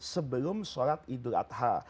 sebelum solat idul adha